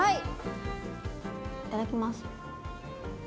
いただきます！